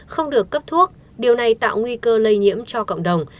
không được cấp thuốc điều này tạo nguy cơ lây nhiễm cho cộng đồng